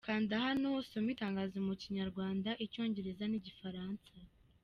Kanda hano usome itangazo mu Kinyarwanda, icyongereza n’igifaransa.